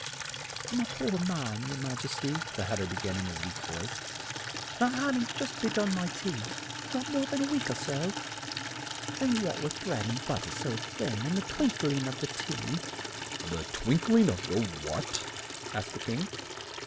"I'm a poor man, your ma jes ty," the Hat ter be gan in a weak voice, "and I hadn't but just be gun my tea, not more than a week or so, and what with the bread and but ter so thin and the twink ling of the tea " "The twink ling of what?" asked the King.